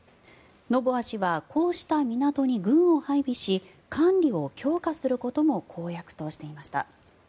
ノボア氏はこうした港に軍を配備し管理を強化することも公約としていました。